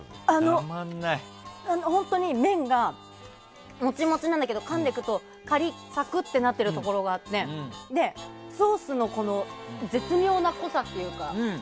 本当に麺がモチモチなんだけどかんでくとカリ、サクッてなってるところがあってソースの絶妙な濃さというか。